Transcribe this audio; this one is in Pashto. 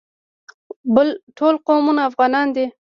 ټول قومونه افغانان دي